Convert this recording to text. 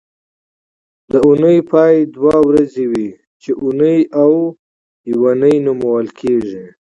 د اونۍ پای دوه ورځې وي چې اونۍ او یونۍ نومول کېږي